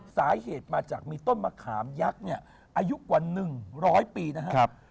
สาเหตุมาจากมีต้นมะคามยักษ์อายุกวันนึงร้อยปีนะครับ